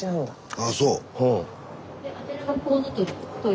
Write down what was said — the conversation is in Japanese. ああそう。